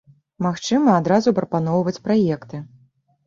Магчыма, адразу прапаноўваць праекты.